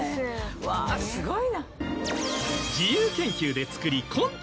うわすごい。